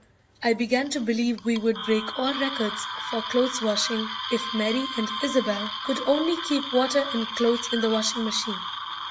I began to believe we would break all records for clothes washing if Mary and Isobel could only keep water and clothes in the washing machine.